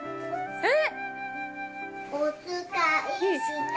うん。